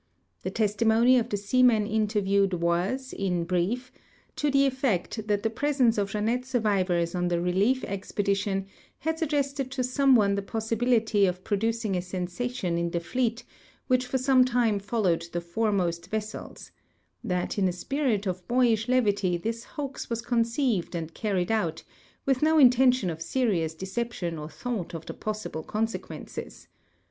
The testimony of the seamen interviewed was, in 95 THE SO CALLED ''JEANNETTE RELICS'^ brief, to the effect tliat tlie presence of Jeannette survivors on the relief expedition liad sut^gested to some one the possiljility of producing a sensation in the fleet which for some time followed the foremost vessels; that in a spirit of boyish levity this hoax W'as conceived and carried out, with no intention of serious de ception or thought of the possible consequences.